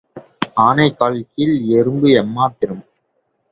ஆனைக் காலின்கீழ் எறும்பு எம்மாத்திரம்?